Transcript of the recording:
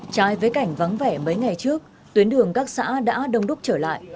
trái với cảnh vắng vẻ mấy ngày trước tuyến đường các xã đã đông đúc trở lại